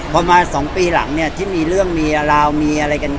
ประมาทสองปีหลังที่มีเรื่องมาแล้ว